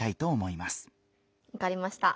わかりました。